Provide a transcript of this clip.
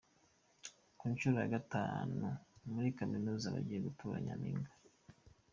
Ku nshuro ya gatanu muri kaminuza bagiye gutora nyampinga